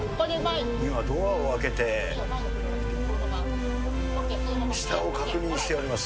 今、ドアを開けて、下を確認しております。